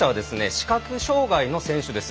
視覚障がいの選手です。